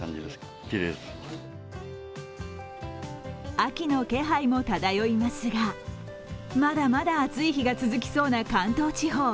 秋の気配も漂いますがまだまだ暑い日が続きそうな関東地方。